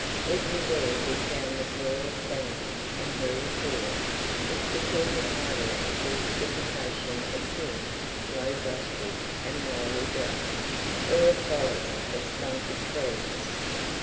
Everywhere we found the soil sandy, and very poor; it supported either a coarse vegetation of thin, low brushwood and wiry grass, or a forest of stunted trees.